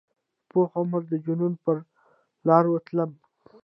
په پوخ عمر د جنون پرلاروتلمه